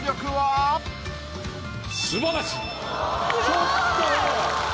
ちょっと！